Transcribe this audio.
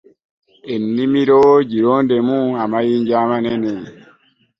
Ennimiro girondemu amayinja amanene.